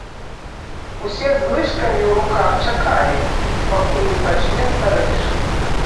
Усе з лыжкамі ў руках чакалі, пакуль не пачне старэйшы.